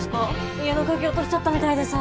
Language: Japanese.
家の鍵落としちゃったみたいでさ。